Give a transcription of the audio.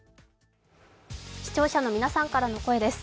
視聴者の皆さんからの声です。